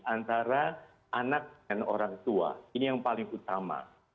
antara anak dan orang tua ini yang paling utama